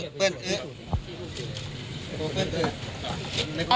ตัวเปิ้ลอึ๊ะ